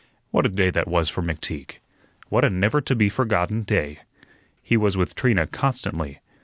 What a day that was for McTeague! What a never to be forgotten day! He was with Trina constantly.